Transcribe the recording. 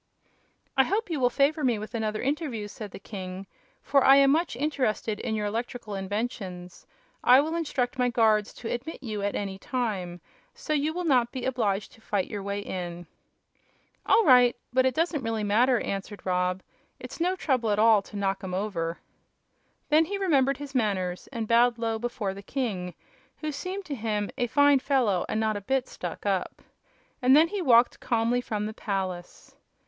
"I hope you will favor me with another interview," said the king, "for I am much interested in your electrical inventions. I will instruct my guards to admit you at any time, so you will not be obliged to fight your way in." "All right. But it really doesn't matter," answered Rob. "It's no trouble at all to knock 'em over." Then he remembered his manners and bowed low before the king, who seemed to him "a fine fellow and not a bit stuck up." And then he walked calmly from the palace.